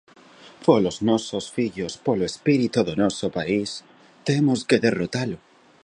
Polos nosos fillos, polo espírito do noso país, temos que derrotalo.